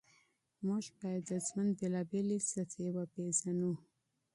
موږ باید د ژوند بېلابېلې سطحې وپېژنو.